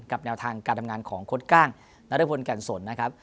แนวทางการทำงานของโค้ดก้างนรพลแก่นสนนะครับ